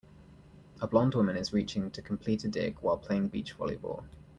A blond woman is reaching to complete a dig while playing beach volleyball.